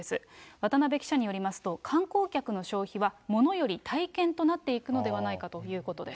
渡辺記者によりますと、観光客の消費は物より体験となっていくのではないかということです。